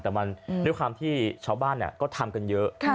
แต่มันด้วยความที่ชาวบ้านก็ทำกันเยอะ